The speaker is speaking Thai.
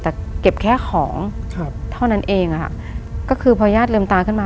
แต่เก็บแค่ของครับเท่านั้นเองอ่ะค่ะก็คือพอญาติลืมตาขึ้นมา